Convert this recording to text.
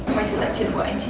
quay trở lại chuyện của anh chị